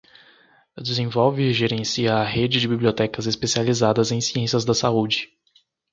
Desenvolve e gerencia a Rede de Bibliotecas Especializadas em Ciências da Saúde.